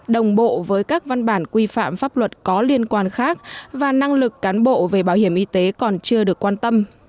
đồng bộ với các văn bản quy phạm pháp luật có liên quan khác và năng lực cán bộ về bảo hiểm y tế còn chưa được quan tâm